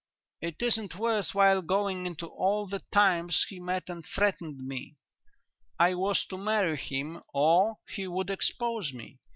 "It isn't worth while going into all the times he met and threatened me. I was to marry him or he would expose me.